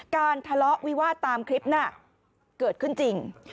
การทะเลาะวิวาสตามคลิปน่ะเกิดขึ้นจริง